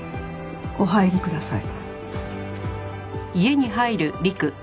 お入りください。